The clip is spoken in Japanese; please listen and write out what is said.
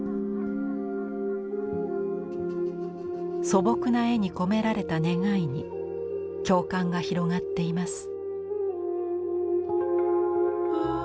素朴な絵に込められた願いに共感が広がっています。